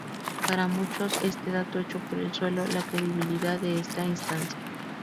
Para muchos, este dato echó por el suelo la credibilidad de esta instancia.